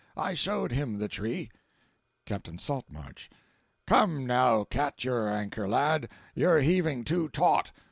I showed him the tree." Captain Saltmarsh.—"Come, now, cat your anchor, lad—you're heaving too taut.